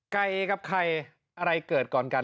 ไก่กับไข่อะไรเกิดก่อนกัน